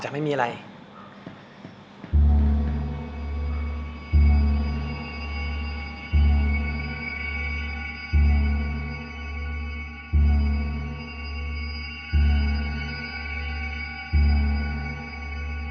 ชื่อฟอยแต่ไม่ใช่แฟง